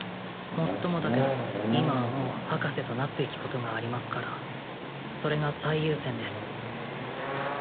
もっともだけど今はもう博士となすべきことがありますからそれが最優先です